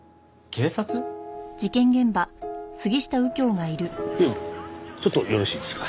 警部ちょっとよろしいですか？